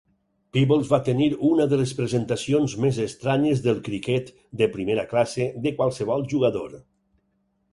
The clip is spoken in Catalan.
Peebles va tenir una de les presentacions més estranyes del criquet de primera classe de qualsevol jugador.